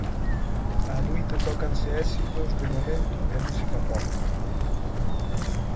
Á noite tócanse éxitos do momento e música pop.